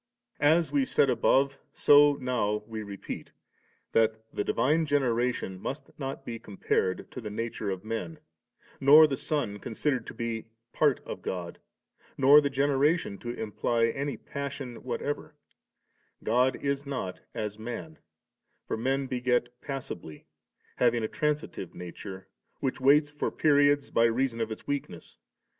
28. As we said above, so now we repeat, that the divine generation must not be com pared to the nature of men, nor the Son con sidered to be part of God, nor the generation to imply any passion whatever; God is not as man; for men beget passibly, having a transitive nature, which waits for periods ly reason of its weakness.